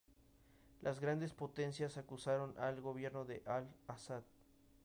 Las grandes potencias acusaron al gobierno de Al-Asad.